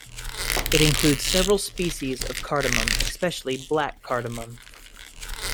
It includes several species of cardamom, especially black cardamom.